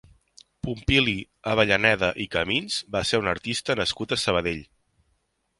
Pompili Avellaneda i Camins va ser un artista nascut a Sabadell.